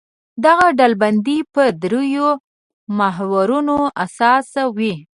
دغه ډلبندي پر درېیو محورونو اساس وي.